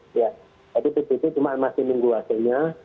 jadi itu cuma masih menunggu hasilnya